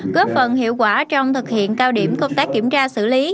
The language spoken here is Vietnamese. góp phần hiệu quả trong thực hiện cao điểm công tác kiểm tra xử lý